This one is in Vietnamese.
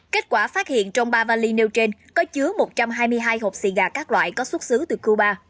kết quả phát hiện trong ba vali nêu trên có chứa một trăm hai mươi hai hộp xì gà các loại có xuất xứ từ cuba